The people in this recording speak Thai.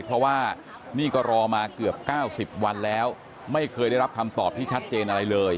เพราะว่านี่ก็รอมาเกือบ๙๐วันแล้วไม่เคยได้รับคำตอบที่ชัดเจนอะไรเลย